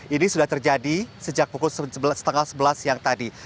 ini sudah terjadi sejak pukul setengah sebelas siang tadi